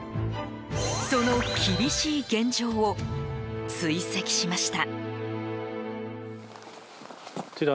その厳しい現状を追跡しました。